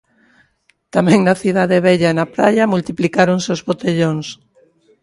Tamén na Cidade Vella e na praia multiplicáronse os botellóns.